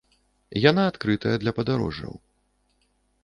Яна адкрытая для падарожжаў.